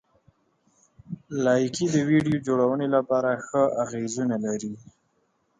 لایکي د ویډیو جوړونې لپاره ښه اغېزونه لري.